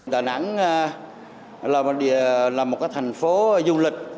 đà nẵng là một thành phố du lịch